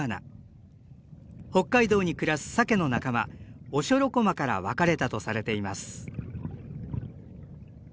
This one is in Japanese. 北海道に暮らすサケの仲間オショロコマから分かれたとされています。